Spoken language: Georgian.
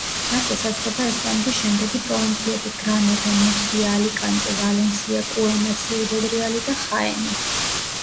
მას ესაზღვრება ესპანეთის შემდეგი პროვინციები: გრანადა, მურსია, ალიკანტე, ვალენსია, კუენკა, სიუდად რეალი და ხაენი.